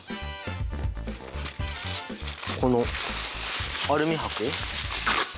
このアルミ箔。